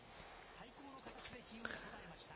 最高の形で起用に応えました。